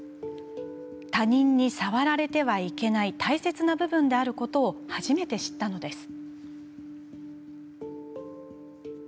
他人に触られてはいけない大切な部分であることを初めて知ったのです。